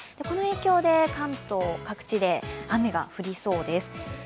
この影響で関東各地で雨が降りそうです。